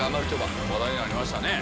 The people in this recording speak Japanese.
話題になりましたね。